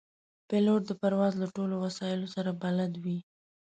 پیلوټ د پرواز له ټولو وسایلو سره بلد وي.